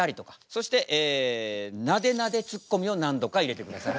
そしてなでなでツッコミを何度か入れてください。